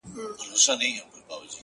هغې ويل په پوري هـديــره كي ښخ دى ;